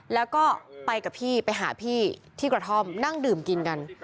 แล้วก็ไปกับพี่ไปหาพี่ที่กระท่อมนั่งดื่มกินกัน